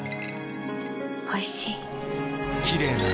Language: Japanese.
おいしい。